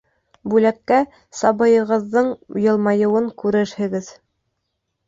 Бүләккә сабыйығыҙҙың йылмайыуын күрерһегеҙ.